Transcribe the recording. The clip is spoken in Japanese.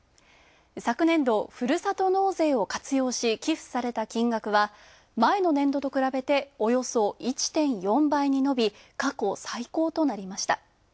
昨年度ふるさと納税を活用し寄付された金額は前の年度と比べておよそ１．４倍に伸び過去最高となりました。